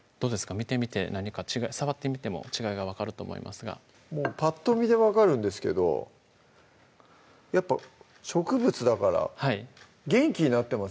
見てみて何か触ってみても違いが分かると思いますがもうパッと見で分かるんですけどやっぱ植物だから元気になってますよね